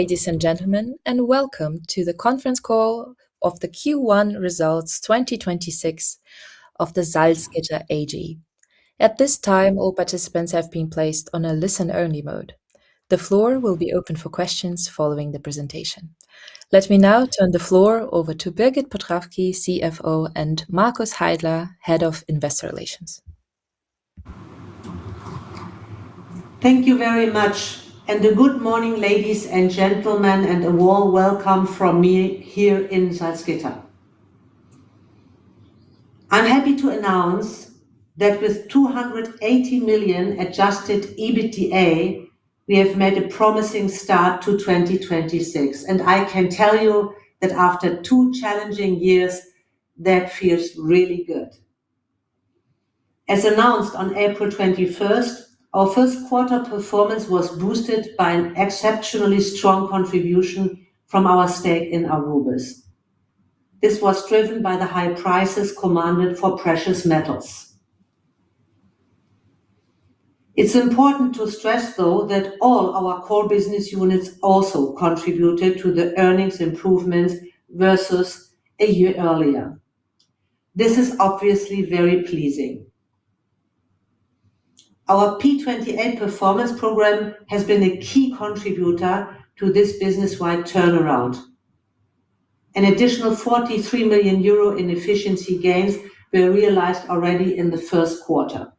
Ladies and gentlemen, welcome to the conference call of the Q1 results 2026 of the Salzgitter AG. At this time, all participants have been placed on a listen only mode. The floor will be open for questions following the presentation. Let me now turn the floor over to Birgit Potrafki, CFO, and Markus Heidler, Head of Investor Relations. Thank you very much, and a good morning, ladies and gentlemen, and a warm welcome from me here in Salzgitter. I'm happy to announce that with 280 million adjusted EBITDA, we have made a promising start to 2026, and I can tell you that after two challenging years, that feels really good. As announced on April 21st, our first quarter performance was boosted by an exceptionally strong contribution from our stake in Aurubis. This was driven by the high prices commanded for precious metals. It's important to stress, though, that all our core business units also contributed to the earnings improvements versus a year earlier. This is obviously very pleasing. Our P28 Performance Program has been a key contributor to this business-wide turnaround. An additional 43 million euro in efficiency gains were realized already in the first quarter.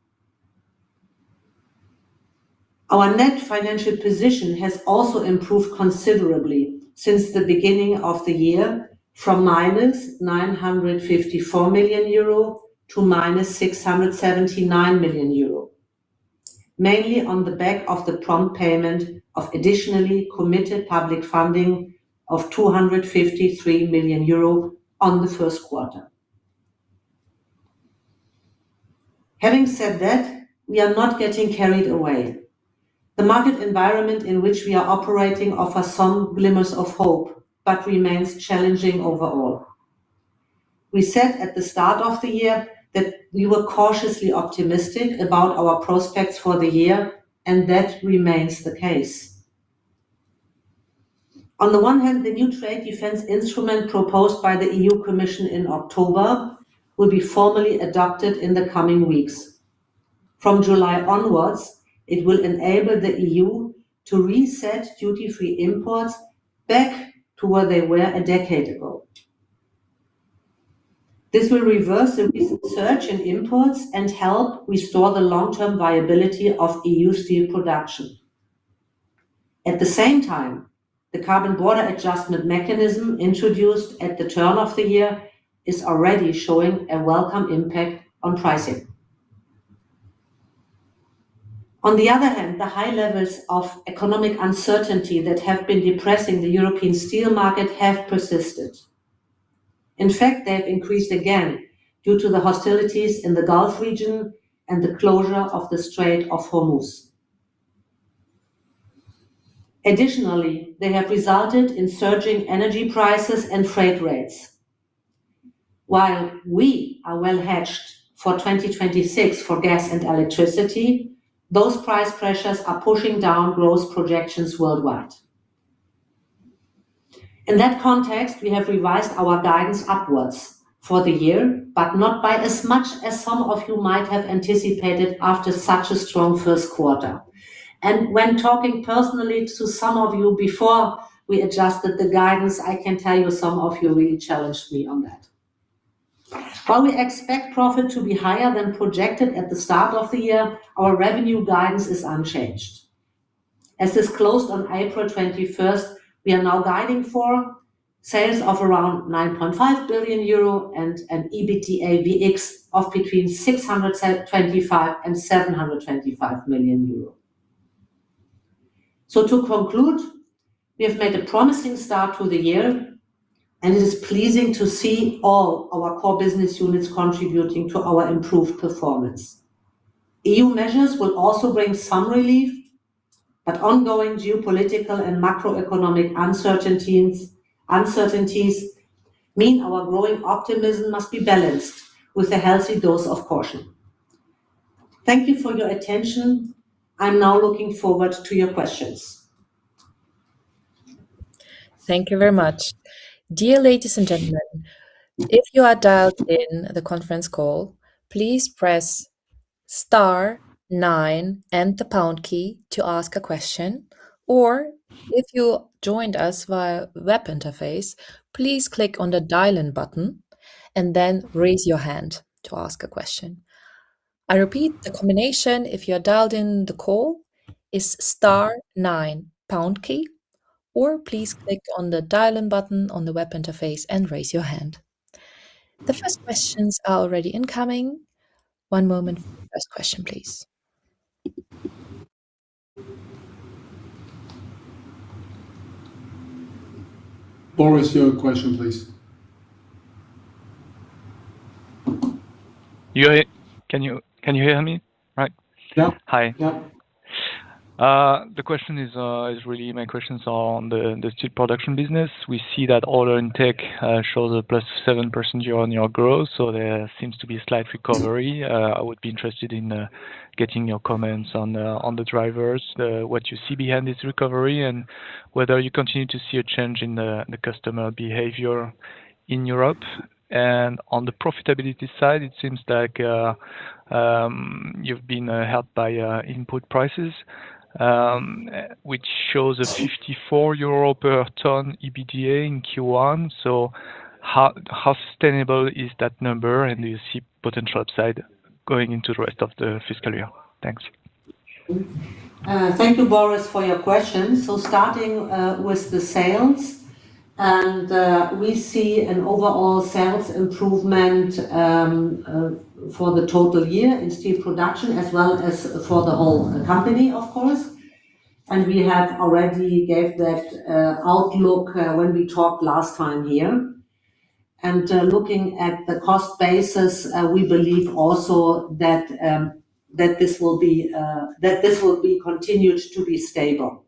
Our net financial position has also improved considerably since the beginning of the year from -954 million euro to -679 million euro, mainly on the back of the prompt payment of additionally committed public funding of 253 million euro on the first quarter. Having said that, we are not getting carried away. The market environment in which we are operating offers some glimmers of hope but remains challenging overall. We said at the start of the year that we were cautiously optimistic about our prospects for the year, that remains the case. On the one hand, the new trade defense instrument proposed by the EU Commission in October will be formally adopted in the coming weeks. From July onwards, it will enable the EU to reset duty-free imports back to where they were a decade ago. This will reverse the recent surge in imports and help restore the long-term viability of EU Steel Production. At the same time, the carbon border adjustment mechanism introduced at the turn of the year is already showing a welcome impact on pricing. On the other hand, the high levels of economic uncertainty that have been depressing the European steel market have persisted. In fact, they have increased again due to the hostilities in the Gulf region and the closure of the Strait of Hormuz. Additionally, they have resulted in surging energy prices and freight rates. While we are well hedged for 2026 for gas and electricity, those price pressures are pushing down growth projections worldwide. In that context, we have revised our guidance upwards for the year, but not by as much as some of you might have anticipated after such a strong first quarter. When talking personally to some of you before we adjusted the guidance, I can tell you some of you really challenged me on that. While we expect profit to be higher than projected at the start of the year, our revenue guidance is unchanged. As disclosed on April 21st, we are now guiding for sales of around 9.5 billion euro and an EBITDA VX of between 625 million and 725 million euro. To conclude, we have made a promising start to the year, and it is pleasing to see all our core business units contributing to our improved performance. EU measures will also bring some relief, but ongoing geopolitical and macroeconomic uncertainties mean our growing optimism must be balanced with a healthy dose of caution. Thank you for your attention. I'm now looking forward to your questions. Thank you very much. Dear ladies and gentlemen, if you are dialed in the conference call, please press star nine and the pound key to ask a question, or if you joined us via web interface, please click on the dial-in button and then raise your hand to ask a question. I repeat, the combination if you are dialed in the call is star nine pound key, or please click on the dial-in button on the web interface and raise your hand. The first questions are already incoming. One moment for the first question, please. Boris, your question please. Can you hear me? Right. Yeah. Hi. The question is really my questions on the Steel Production business. We see that order intake shows a +7% year-on-year growth, so there seems to be a slight recovery. I would be interested in getting your comments on the drivers, what you see behind this recovery and whether you continue to see a change in the customer behavior in Europe. On the profitability side, it seems like you've been helped by input prices, which shows a 54 euro per ton EBITDA in Q1. How sustainable is that number? Do you see potential upside going into the rest of the fiscal year? Thanks. Thank you, Boris, for your question. Starting with the sales, we see an overall sales improvement for the total year in Steel Production as well as for the whole company, of course. We have already gave that outlook when we talked last time here. Looking at the cost basis, we believe also that this will be continued to be stable.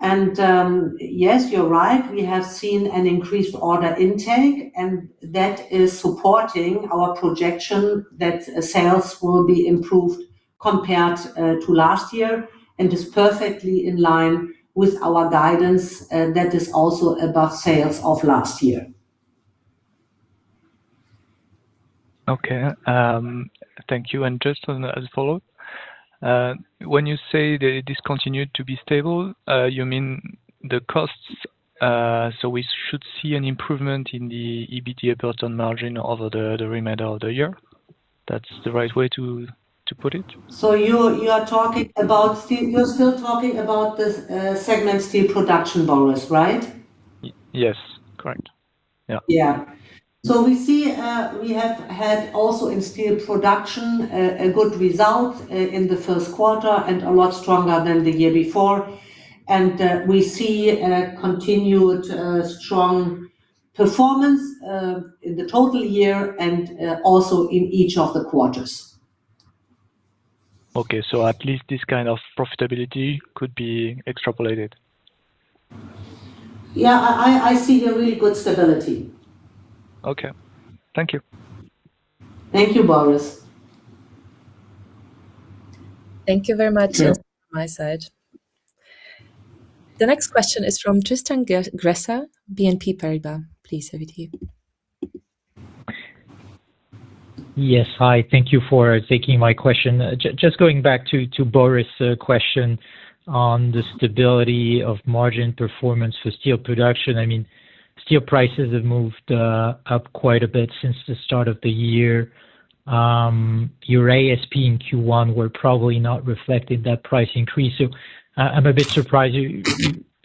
Yes, you're right. We have seen an increased order intake, and that is supporting our projection that sales will be improved compared to last year and is perfectly in line with our guidance that is also above sales of last year. Okay. Thank you. Just on, as a follow-up, when you say that this continued to be stable, you mean the costs? We should see an improvement in the EBITDA per ton margin over the remainder of the year? That's the right way to put it? You're still talking about the segment Steel Production, Boris, right? yes, correct. Yeah. We see we have had also in Steel Production a good result in the first quarter and a lot stronger than the year before. We see a continued strong performance in the total year and also in each of the quarters. Okay. At least this kind of profitability could be extrapolated? Yeah. I see a really good stability. Okay. Thank you. Thank you, Boris. Thank you very much. Yeah from my side. The next question is from Tristan Gresser, BNP Paribas. Please, over to you. Yes. Hi. Thank you for taking my question. Just going back to Boris' question on the stability of margin performance for Steel Production. I mean, steel prices have moved up quite a bit since the start of the year. Your ASP in Q1 were probably not reflected that price increase, so I'm a bit surprised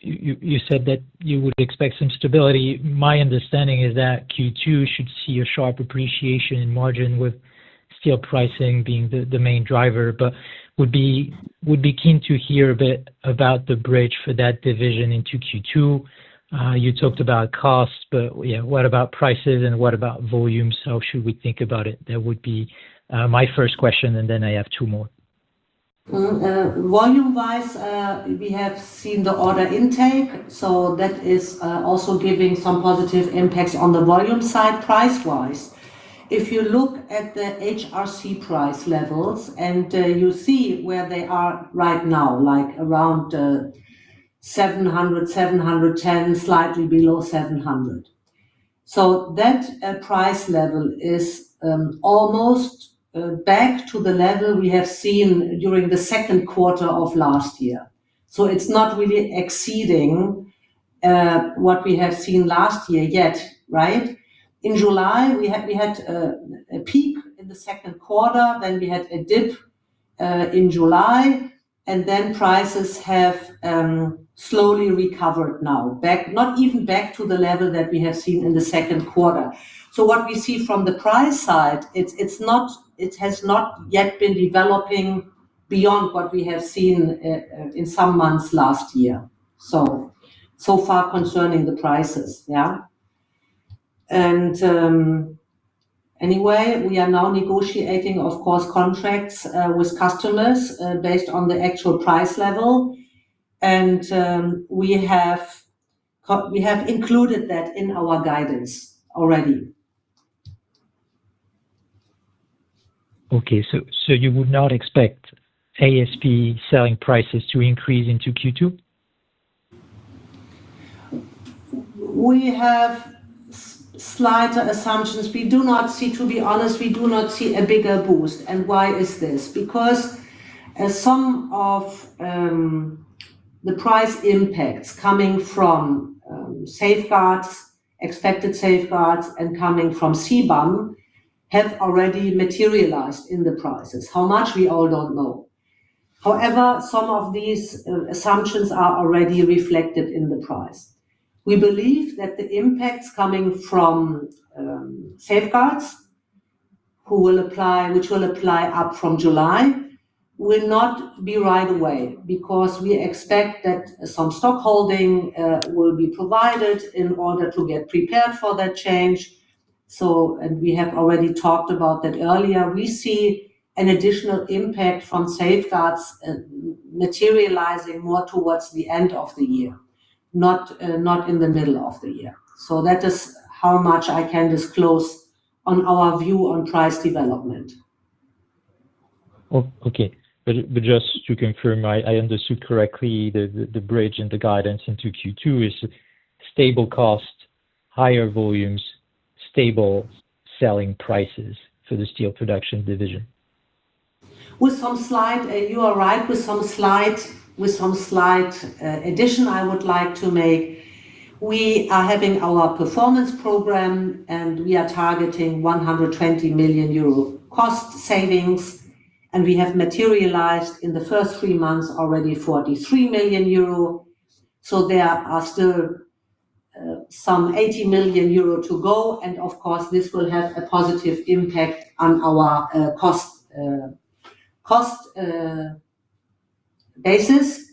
you said that you would expect some stability. My understanding is that Q2 should see a sharp appreciation in margin with steel pricing being the main driver. Would be keen to hear a bit about the bridge for that division into Q2. You talked about costs, yeah, what about prices and what about volume? Should we think about it? That would be my first question, then I have two more. Volume-wise, we have seen the order intake, that is also giving some positive impacts on the volume side. Price-wise, if you look at the HRC price levels, and you see where they are right now, like around 700, 710, slightly below 700. That price level is almost back to the level we have seen during the second quarter of last year. It's not really exceeding what we have seen last year yet, right? In July, we had a peak in the second quarter. We had a dip in July, prices have slowly recovered now. Not even back to the level that we have seen in the second quarter. What we see from the price side, it has not yet been developing beyond what we have seen in some months last year. So far concerning the prices. Anyway, we are now negotiating, of course, contracts with customers based on the actual price level. We have included that in our guidance already. Okay. You would not expect ASP selling prices to increase into Q2? We have slighter assumptions. We do not see, to be honest, we do not see a bigger boost. Why is this? Because some of the price impacts coming from safeguards, expected safeguards, and coming from CBAM have already materialized in the prices. How much? We all don't know. However, some of these assumptions are already reflected in the price. We believe that the impacts coming from safeguards which will apply up from July, will not be right away because we expect that some stock holding will be provided in order to get prepared for that change. We have already talked about that earlier. We see an additional impact from safeguards materializing more towards the end of the year, not in the middle of the year. That is how much I can disclose on our view on price development. Oh, okay. Just to confirm I understood correctly, the bridge and the guidance into Q2 is stable cost, higher volumes, stable selling prices for the Steel Production division? You are right. With some slight addition I would like to make. We are having our performance program, and we are targeting 120 million euro cost savings, and we have materialized in the first three months already 43 million euro. There are still some 80 million euro to go, and of course, this will have a positive impact on our cost basis.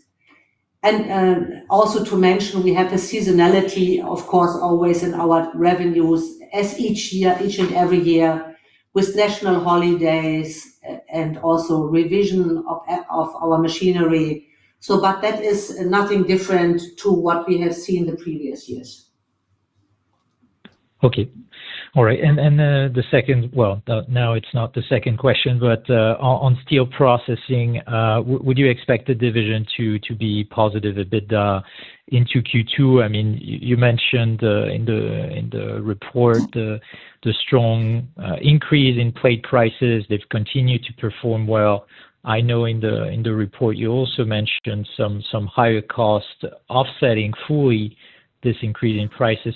Also to mention, we have a seasonality, of course, always in our revenues as each year, each and every year, with national holidays and also revision of our machinery. That is nothing different to what we have seen the previous years. Okay. All right. Now it's not the second question, but on steel processing, would you expect the division to be positive a bit into Q2? I mean, you mentioned in the report the strong increase in plate prices. They've continued to perform well. I know in the report you also mentioned some higher costs offsetting fully this increase in prices.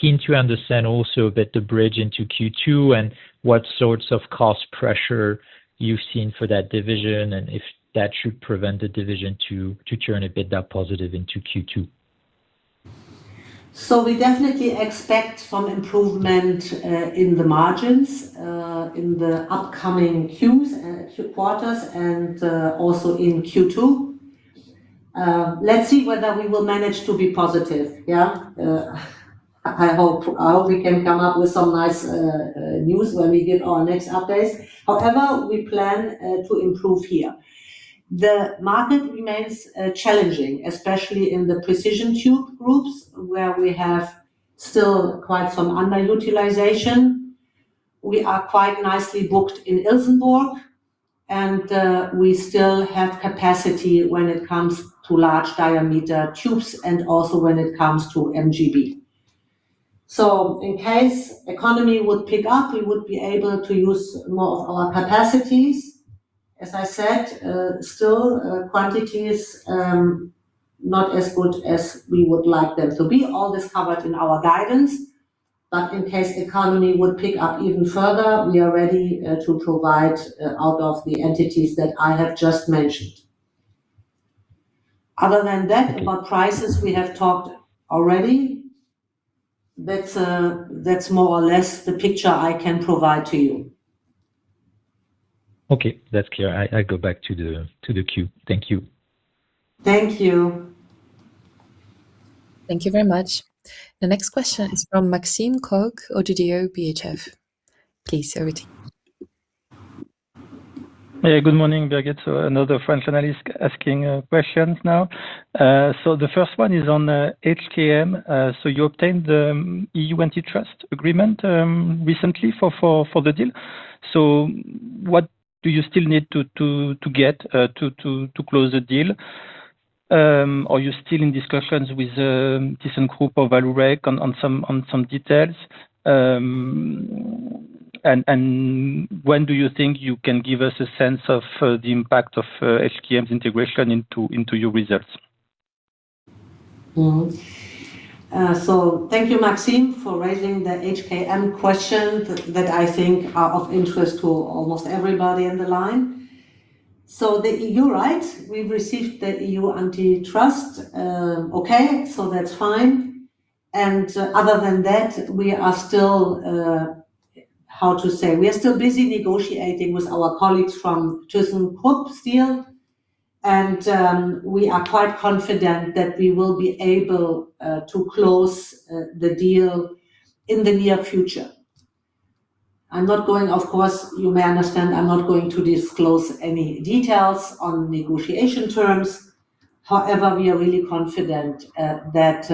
Keen to understand also a bit the bridge into Q2 and what sorts of cost pressure you've seen for that division and if that should prevent the division to turn a bit positive into Q2? We definitely expect some improvement in the margins in the upcoming Qs, quarters and also in Q2. Let's see whether we will manage to be positive. I hope we can come up with some nice news when we give our next updates. However, we plan to improve here. The market remains challenging, especially in the precision tube groups, where we have still quite some underutilization. We are quite nicely booked in Ilsenburg, and we still have capacity when it comes to large diameter tubes and also when it comes to MGB. In case economy would pick up, we would be able to use more of our capacities. As I said, still quantities not as good as we would like them to be. All this covered in our guidance. In case economy would pick up even further, we are ready to provide out of the entities that I have just mentioned. Other than that, about prices, we have talked already. That's more or less the picture I can provide to you. Okay. That's clear. I go back to the queue. Thank you. Thank you. Thank you very much. The next question is from Maxime Kogge, ODDO BHF. Please, over to you. Yeah. Good morning, Birgit. Another French analyst asking questions now. The first one is on HKM. You obtained the EU antitrust agreement recently for the deal. What do you still need to get to close the deal? Are you still in discussions with thyssenkrupp or Vallourec on some details? And when do you think you can give us a sense of the impact of HKM's integration into your results? Thank you, Maxime, for raising the HKM question that I think are of interest to almost everybody on the line. The EU, right, we've received the EU antitrust. Okay. That's fine. Other than that, we are still busy negotiating with our colleagues from thyssenkrupp Steel. We are quite confident that we will be able to close the deal in the near future. I'm not going, of course, you may understand, I'm not going to disclose any details on negotiation terms. However, we are really confident that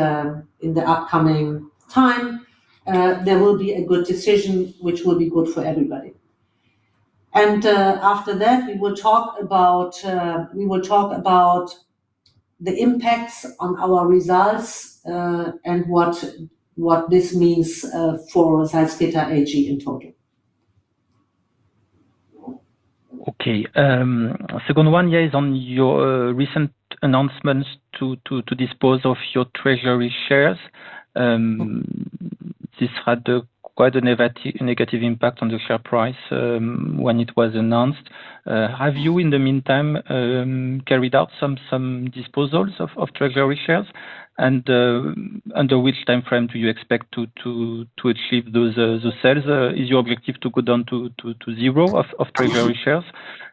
in the upcoming time, there will be a good decision which will be good for everybody. After that, we will talk about the impacts on our results, and what this means for Salzgitter AG in total. Okay. Second one here is on your recent announcements to dispose of your treasury shares. This had quite a negative impact on the share price when it was announced. Have you, in the meantime, carried out some disposals of treasury shares? Under which timeframe do you expect to achieve those sales? Is your objective to go down to zero of treasury shares?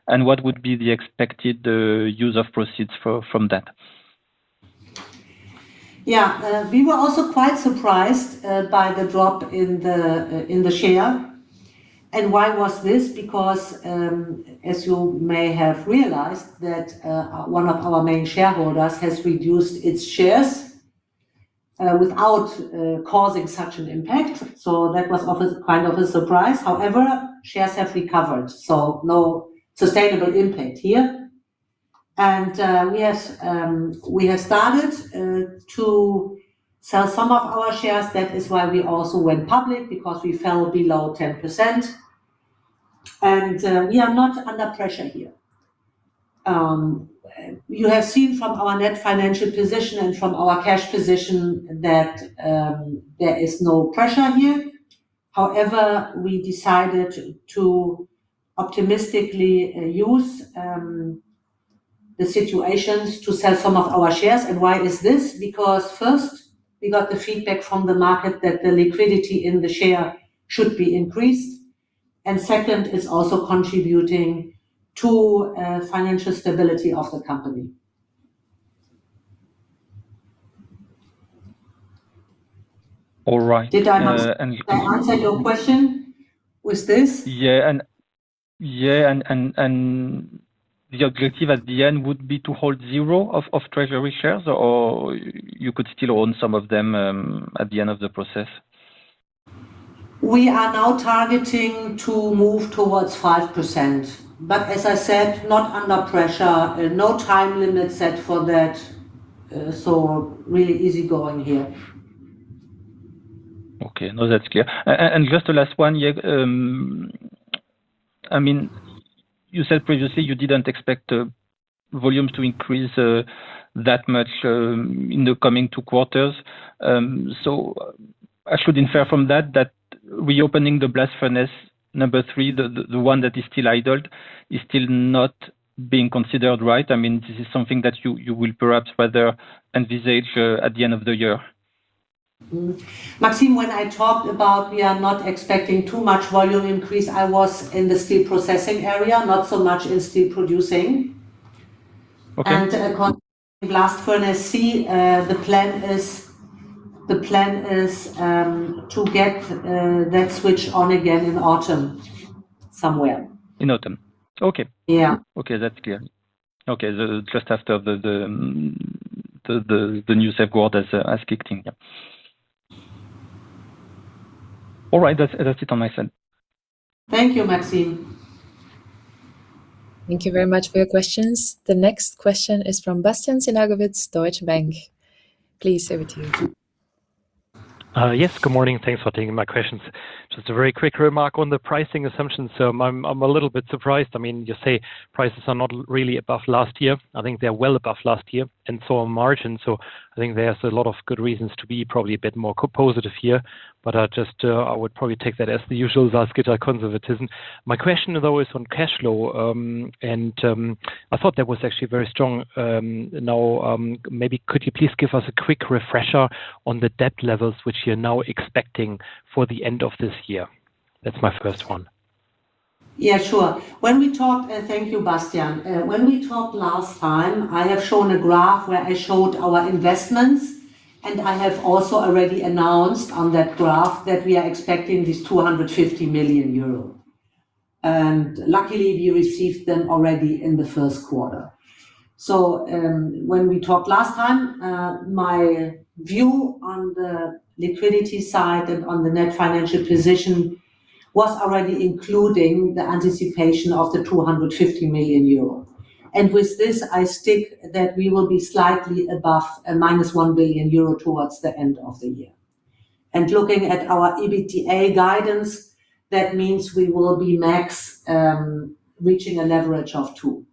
What would be the expected use of proceeds from that? We were also quite surprised by the drop in the share. Why was this? Because, as you may have realized, that one of our main shareholders has reduced its shares without causing such an impact. That was a kind of a surprise. However, shares have recovered, so no sustainable impact here. We have started to sell some of our shares. That is why we also went public, because we fell below 10%. We are not under pressure here. You have seen from our net financial position and from our cash position that there is no pressure here. However, we decided to optimistically use the situations to sell some of our shares. Why is this? First, we got the feedback from the market that the liquidity in the share should be increased. Second, it's also contributing to financial stability of the company. All right. Did I answer your question with this? Yeah. The objective at the end would be to hold zero of treasury shares, or you could still own some of them, at the end of the process? We are now targeting to move towards 5%. As I said, not under pressure. No time limit set for that, really easygoing here. Okay. No, that's clear. Just the last one. You said previously you didn't expect volumes to increase that much in the coming two quarters. I should infer from that reopening the Blast Furnace C, the one that is still idled, is still not being considered, right? This is something that you will perhaps rather envisage at the end of the year. Mm-hmm. Maxime, when I talked about we are not expecting too much volume increase, I was in the steel processing area, not so much in steel producing. Okay. Concerning Blast Furnace C, the plan is to get that switch on again in autumn somewhere. In autumn. Okay. Yeah. Okay, that's clear. Okay. Just after the new safeguards has kicked in, yeah. All right. That's it on my side. Thank you, Maxime. Thank you very much for your questions. The next question is from Bastian Synagowitz, Deutsche Bank. Please, over to you. Yes. Good morning. Thanks for taking my questions. Just a very quick remark on the pricing assumptions. I'm a little bit surprised. I mean, you say prices are not really above last year. I think they're well above last year, and so are margin. I think there's a lot of good reasons to be probably a bit more co-positive here. I just, I would probably take that as the usual Salzgitter conservatism. My question, though, is on cash flow. And, I thought that was actually very strong. Now, maybe could you please give us a quick refresher on the debt levels which you're now expecting for the end of this year? That's my first one. Yeah, sure. When we talked, thank you, Bastian. When we talked last time, I have shown a graph where I showed our investments, I have also already announced on that graph that we are expecting this 250 million euro. Luckily, we received them already in the first quarter. When we talked last time, my view on the liquidity side and on the net financial position was already including the anticipation of the 250 million euro. With this, I stick that we will be slightly above a -1 billion euro towards the end of the year. Looking at our EBITDA guidance, that means we will be max reaching a leverage of 2x.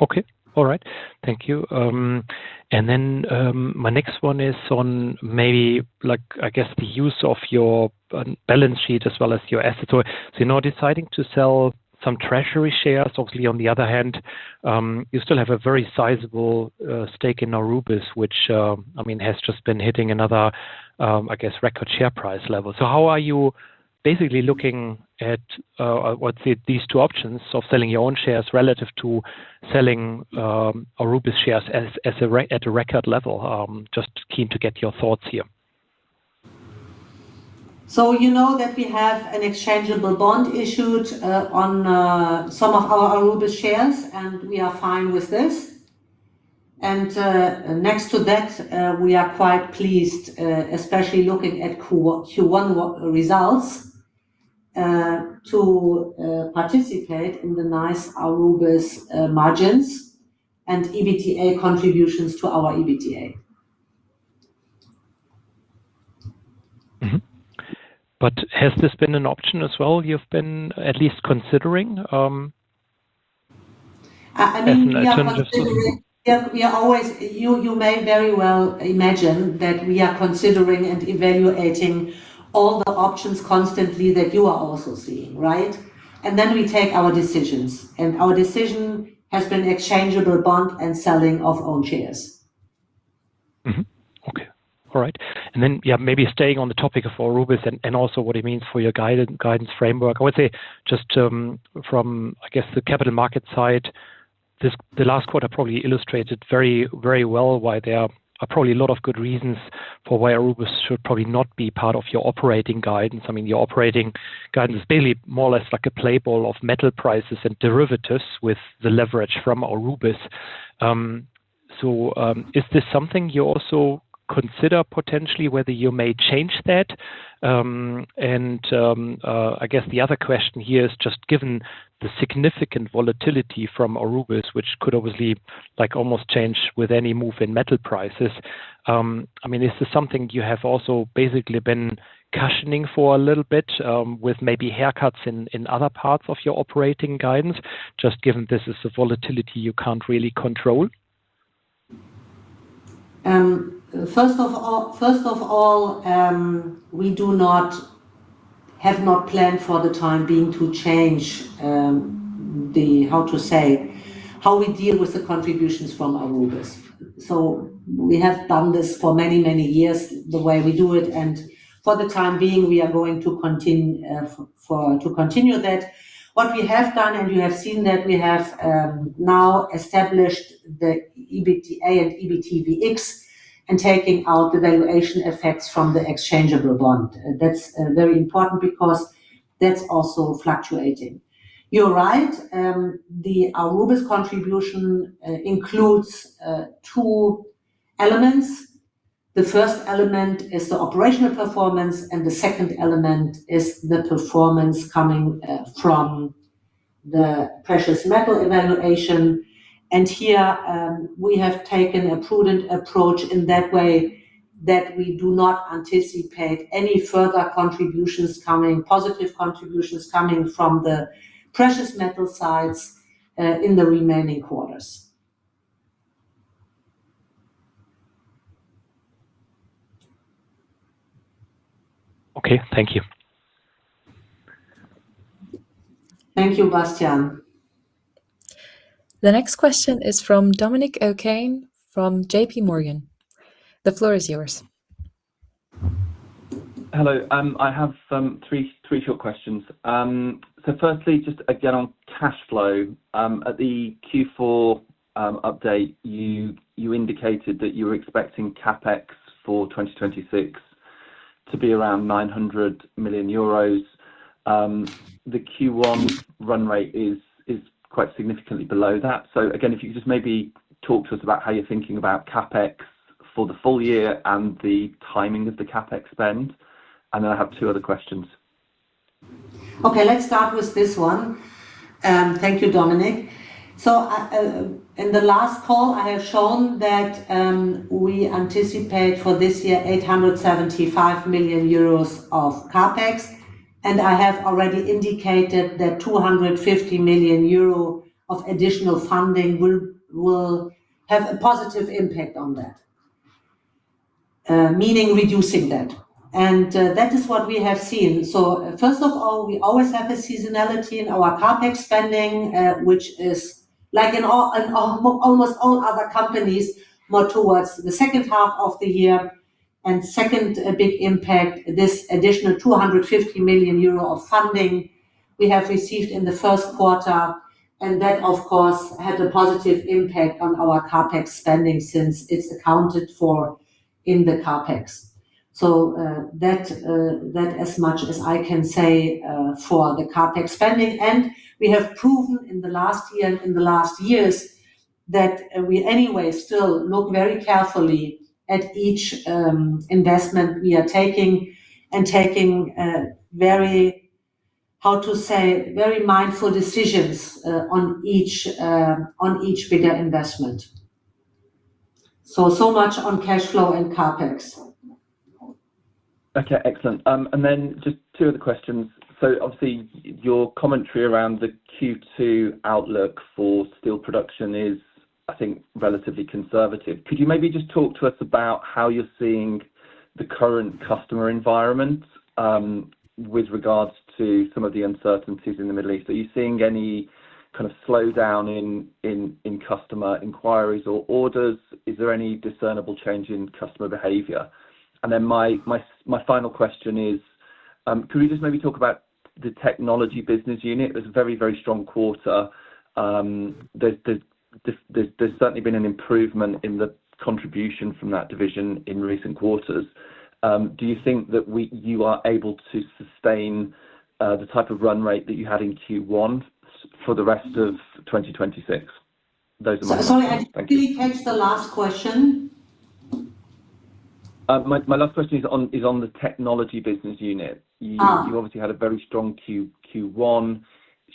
Okay. All right. Thank you. My next one is on maybe like, I guess the use of your balance sheet as well as your asset. You know, deciding to sell some treasury shares, obviously, on the other hand, you still have a very sizable stake in Aurubis, which, I mean, has just been hitting another, I guess, record share price level. How are you basically looking at these two options of selling your own shares relative to selling Aurubis shares as at a record level? Just keen to get your thoughts here. You know that we have an exchangeable bond issued on some of our Aurubis shares, and we are fine with this. Next to that, we are quite pleased, especially looking at Q1 results, to participate in the nice Aurubis margins and EBITDA contributions to our EBITDA. Has this been an option as well you've been at least considering as an alternative solution? I mean, we are always You may very well imagine that we are considering and evaluating all the options constantly that you are also seeing. Then we take our decisions, and our decision has been exchangeable bond and selling of own shares. Mm-hmm. Okay. All right. Maybe staying on the topic of Aurubis and also what it means for your guidance framework. I would say just from, I guess, the capital market side, the last quarter probably illustrated very, very well why there are probably a lot of good reasons for why Aurubis should probably not be part of your operating guidance. I mean, your operating guidance is barely more or less like a playbook of metal prices and derivatives with the leverage from Aurubis. Is this something you also consider potentially whether you may change that? I guess the other question here is just given the significant volatility from Aurubis, which could obviously, like, almost change with any move in metal prices, I mean, is this something you have also basically been cushioning for a little bit, with maybe haircuts in other parts of your operating guidance, just given this is the volatility you can't really control? First of all, we have not planned for the time being to change, the how to say, how we deal with the contributions from Aurubis. We have done this for many, many years the way we do it, and for the time being, we are going to for, to continue that. What we have done, and you have seen that we have, now established the EBITDA and EBT VX, and taking out the valuation effects from the exchangeable bond. That's very important because that's also fluctuating. You're right, the Aurubis contribution, includes two elements. The first element is the operational performance, and the second element is the performance coming, from the precious metal evaluation. Here, we have taken a prudent approach in that way that we do not anticipate any further contributions coming, positive contributions coming from the precious metal sides, in the remaining quarters. Okay. Thank you. Thank you, Bastian. The next question is from Dominic O'Kane from J.P. Morgan. The floor is yours. Hello. I have three short questions. Firstly, just again on cash flow. At the Q4 update, you indicated that you were expecting CapEx for 2026 to be around 900 million euros. The Q1 run rate is quite significantly below that. Again, if you could just maybe talk to us about how you're thinking about CapEx for the full year and the timing of the CapEx spend. I have two other questions. Okay, let's start with this one. Thank you, Dominic. In the last call, I have shown that we anticipate for this year 875 million euros of CapEx, and I have already indicated that 250 million euro of additional funding will have a positive impact on that, meaning reducing that. That is what we have seen. First of all, we always have a seasonality in our CapEx spending, which is like in almost all other companies, more towards the second half of the year. Second, a big impact, this additional 250 million euro of funding we have received in the first quarter, and that, of course, had a positive impact on our CapEx spending since it's accounted for in the CapEx. That as much as I can say for the CapEx spending. We have proven in the last year, and in the last years that we anyway still look very carefully at each investment we are taking very, how to say, very mindful decisions on each bigger investment. So much on cash flow and CapEx. Okay. Excellent. Then just two other questions. Obviously your commentary around the Q2 outlook for Steel Production is, I think, relatively conservative. Could you maybe just talk to us about how you're seeing the current customer environment with regards to some of the uncertainties in the Middle East? Are you seeing any kind of slowdown in customer inquiries or orders? Is there any discernible change in customer behavior? Then my final question is, could we just maybe talk about the Technology business unit? It was a very strong quarter. There's certainly been an improvement in the contribution from that division in recent quarters. Do you think that you are able to sustain the type of run rate that you had in Q1 for the rest of 2026? Those are my- Sorry, I didn't really catch the last question. My last question is on the Technology business unit. You obviously had a very strong Q1. Right.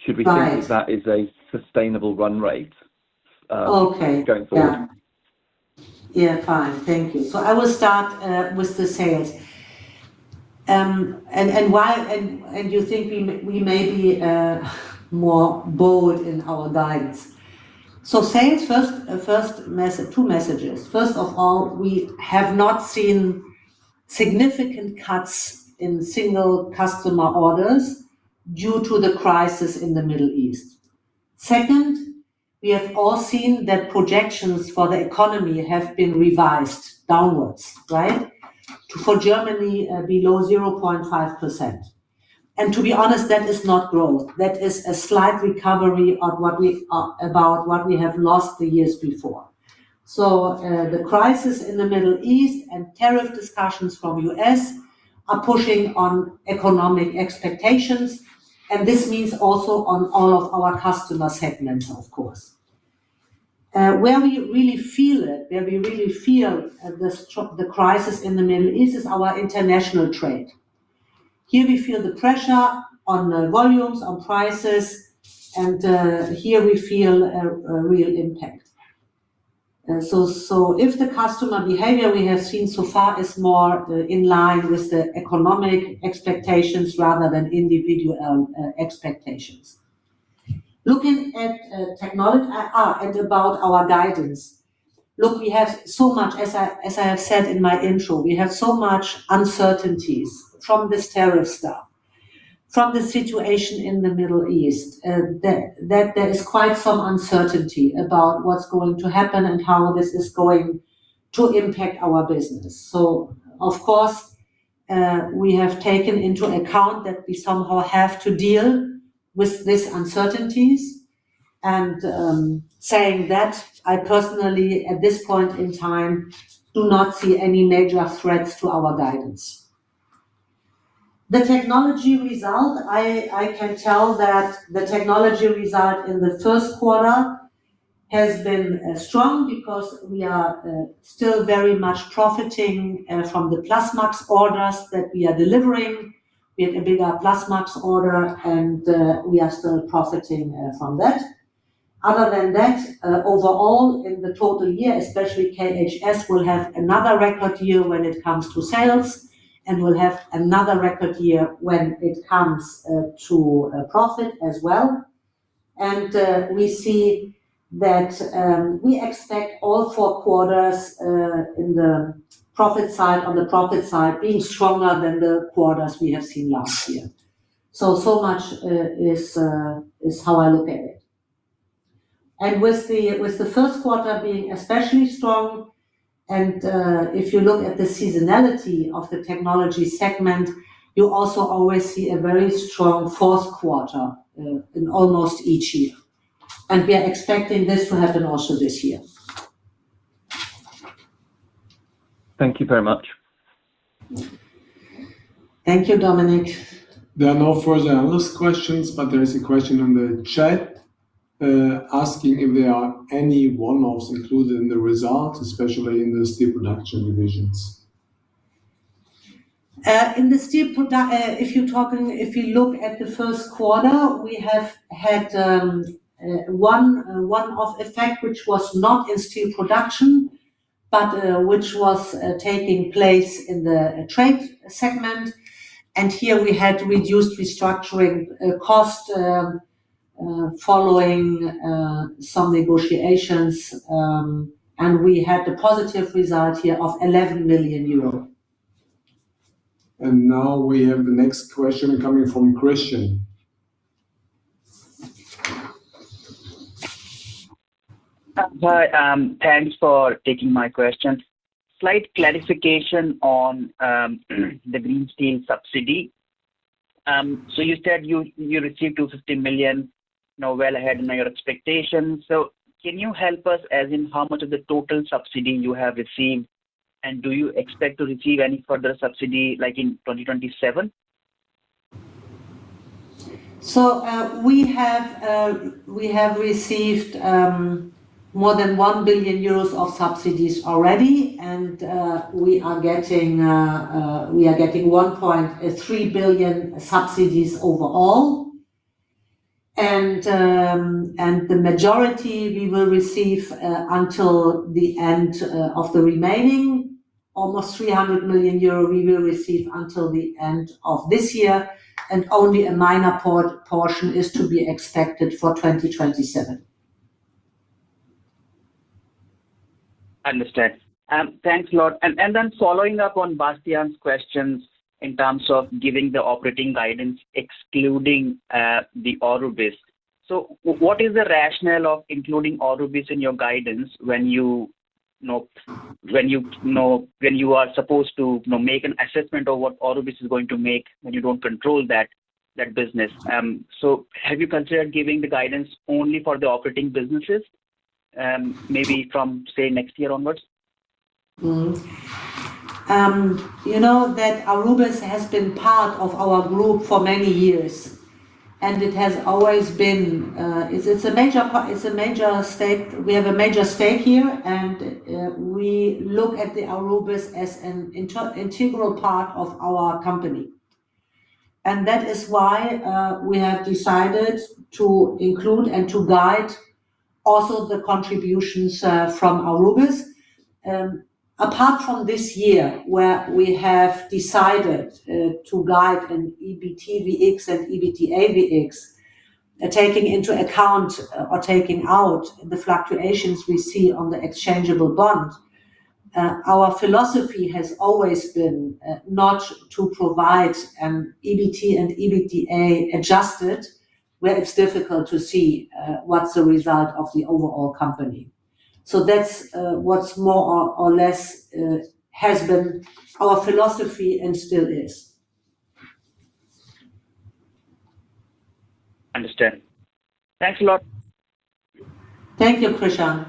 Should we think that that is a sustainable run rate? Okay. Yeah. going forward? Yeah. Fine. Thank you. I will start with the sales. You think we may be more bold in our guidance. Sales first, two messages. First of all, we have not seen significant cuts in single customer orders due to the crisis in the Middle East. Second, we have all seen that projections for the economy have been revised downwards, right? For Germany, below 0.5%. To be honest, that is not growth. That is a slight recovery of what we, about what we have lost the years before. The crisis in the Middle East and tariff discussions from U.S. are pushing on economic expectations, and this means also on all of our customer segments, of course. Where we really feel it, where we really feel, the crisis in the Middle East is our international trade. Here we feel the pressure on the volumes, on prices, and, here we feel a real impact. If the customer behavior we have seen so far is more, in line with the economic expectations rather than individual, expectations. Looking at, and about our guidance. Look, we have so much, as I have said in my intro, we have so much uncertainties from this tariff stuff, from the situation in the Middle East, that there is quite some uncertainty about what's going to happen and how this is going to impact our business. Of course, we have taken into account that we somehow have to deal with these uncertainties. Saying that, I personally, at this point in time, do not see any major threats to our guidance. The Technology result, I can tell that the Technology result in the first quarter has been strong because we are still very much profiting from the Plasmax orders that we are delivering. We have a bigger Plasmax order, and we are still profiting from that. Other than that, overall, in the total year, especially KHS will have another record year when it comes to sales, and will have another record year when it comes to profit as well. We see that we expect all four quarters in the profit side, on the profit side being stronger than the quarters we have seen last year. So much is how I look at it. With the first quarter being especially strong, if you look at the seasonality of the Technology segment, you also always see a very strong fourth quarter in almost each year. We are expecting this to happen also this year. Thank you very much. Thank you, Dominic. There are no further analyst questions, but there is a question on the chat, asking if there are any one-offs included in the results, especially in the Steel Production divisions. In the steel if you look at the first quarter, we have had one one-off effect which was not in Steel Production, but which was taking place in the trade segment. Here we had reduced restructuring cost following some negotiations. We had a positive result here of 11 million euro. Now we have the next question coming from Christian. Hi, thanks for taking my question. Slight clarification on the green steel subsidy. You said you received 250 million, you know, well ahead now your expectations. Can you help us as in how much of the total subsidy you have received, and do you expect to receive any further subsidy like in 2027? We have received more than 1 billion euros of subsidies already and we are getting 1.3 billion subsidies overall. The majority we will receive until the end of the remaining. Almost 300 million euro we will receive until the end of this year, and only a minor portion is to be expected for 2027. Understand. Thanks a lot. Then following up on Bastian's questions in terms of giving the operating guidance excluding the Aurubis. What is the rationale of including Aurubis in your guidance when you know, when you are supposed to, you know, make an assessment of what Aurubis is going to make when you don't control that business? Have you considered giving the guidance only for the operating businesses, maybe from, say, next year onwards? You know that Aurubis has been part of our group for many years, and it has always been, it's a major stake. We have a major stake here and we look at the Aurubis as an integral part of our company. That is why, we have decided to include and to guide also the contributions from Aurubis. Apart from this year, where we have decided to guide an EBT VX and EBITDA VX, taking into account or taking out the fluctuations we see on the exchangeable bond. Our philosophy has always been not to provide EBT and EBITDA adjusted, where it's difficult to see what's the result of the overall company. That's what's more or less has been our philosophy and still is. Understand. Thanks a lot. Thank you, Christian.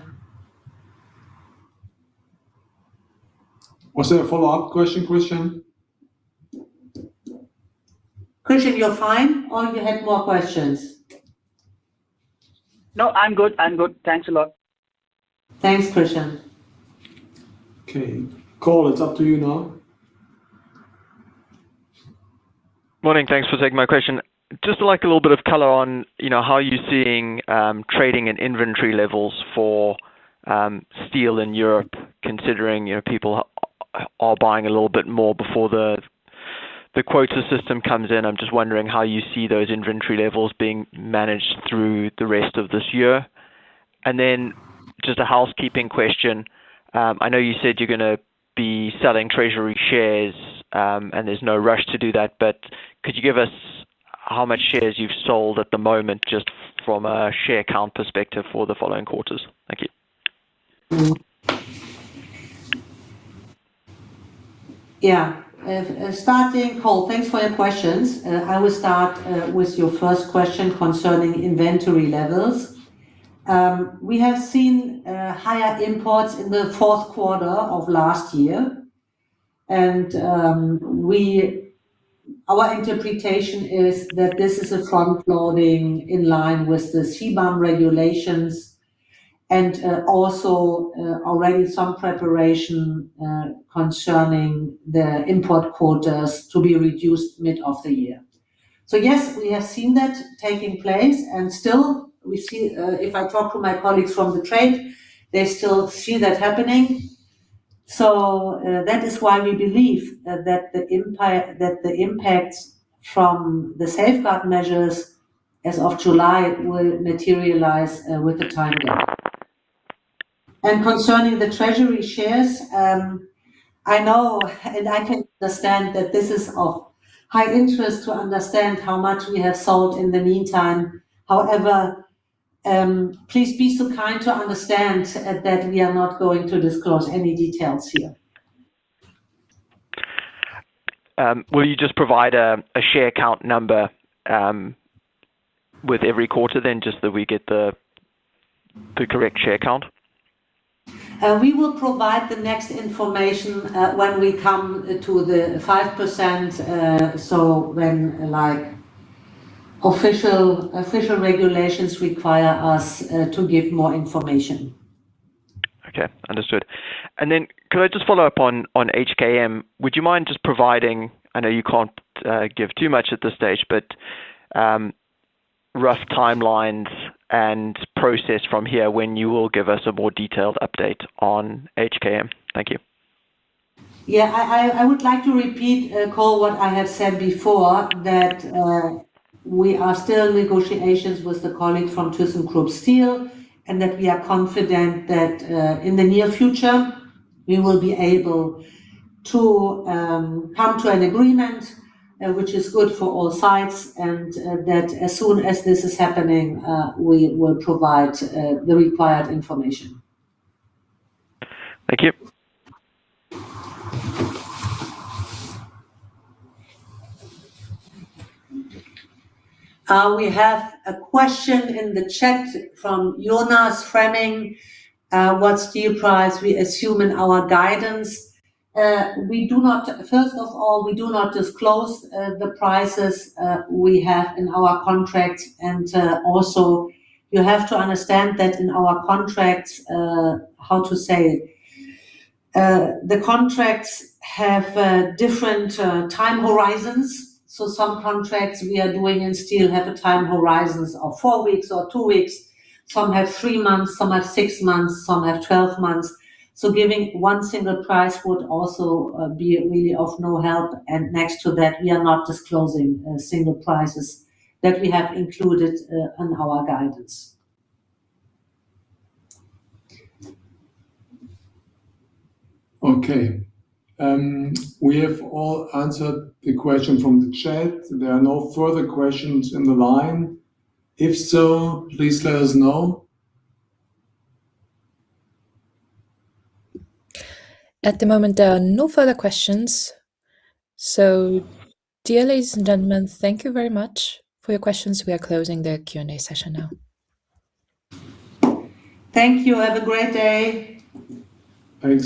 Was there a follow-up question, Christian? Christian, you're fine, or you had more questions? No, I'm good. I'm good. Thanks a lot. Thanks, Christian. Okay. Cole, it's up to you now. Morning. Thanks for taking my question. Just like a little bit of color on, you know, how you're seeing trading and inventory levels for steel in Europe considering, you know, people are buying a little bit more before the quota system comes in. I'm just wondering how you see those inventory levels being managed through the rest of this year. Just a housekeeping question. I know you said you're gonna be selling treasury shares, and there's no rush to do that, but could you give us how much shares you've sold at the moment, just from a share count perspective for the following quarters? Thank you. Starting, Cole, thanks for your questions. I will start with your first question concerning inventory levels. We have seen higher imports in the fourth quarter of last year. Our interpretation is that this is a front-loading in line with the CBAM regulations and also already some preparation concerning the import quotas to be reduced mid-year. Yes, we have seen that taking place, and still we see, if I talk to my colleagues from the trade, they still see that happening. That is why we believe that the impacts from the safeguard measures as of July will materialize with the time being. Concerning the treasury shares, I know and I can understand that this is of high interest to understand how much we have sold in the meantime. However, please be so kind to understand that we are not going to disclose any details here. Will you just provide a share count number with every quarter then, just so we get the correct share count? We will provide the next information, when we come to the 5%, so when official regulations require us to give more information. Okay. Understood. Could I just follow up on HKM? Would you mind just providing, I know you can't give too much at this stage, but rough timelines and process from here when you will give us a more detailed update on HKM? Thank you. Yeah. I would like to repeat, Cole, what I have said before, that we are still in negotiations with the colleague from thyssenkrupp Steel, and that we are confident that in the near future we will be able to come to an agreement, which is good for all sides, and that as soon as this is happening, we will provide the required information. Thank you. We have a question in the chat from Jonas Freming, what steel price we assume in our guidance. We do not First of all, we do not disclose the prices we have in our contract. Also you have to understand that in our contracts, how to say? The contracts have different time horizons. Some contracts we are doing in steel have a time horizons of four weeks or two weeks. Some have three months, some have six months, some have 12 months. Giving one single price would also be really of no help. Next to that, we are not disclosing single prices that we have included in our guidance. Okay. We have all answered the question from the chat. There are no further questions in the line. If so, please let us know. At the moment, there are no further questions. Dear ladies and gentlemen, thank you very much for your questions. We are closing the Q&A session now. Thank you. Have a great day. Thanks.